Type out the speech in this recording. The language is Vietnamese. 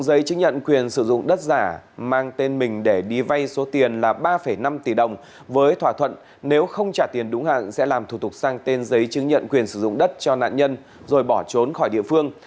giấy chứng nhận quyền sử dụng đất giả mang tên mình để đi vay số tiền là ba năm tỷ đồng với thỏa thuận nếu không trả tiền đúng hạn sẽ làm thủ tục sang tên giấy chứng nhận quyền sử dụng đất cho nạn nhân rồi bỏ trốn khỏi địa phương